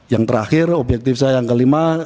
yang terakhir objektif saya yang kelima